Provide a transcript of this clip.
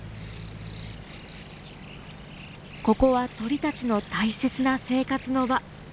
ここは鳥たちの大切な生活の場。